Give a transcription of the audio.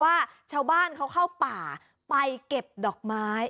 ว่าชาวบ้านเขาเข้าป่าไปเก็บดอกไม้